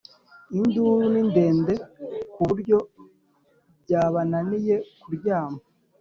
Induru ni ndende kuburyo byabaniye ku ryama